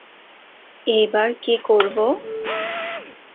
এবার কি করব?